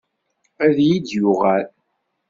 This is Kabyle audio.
Ad iyi-d-yuɣal.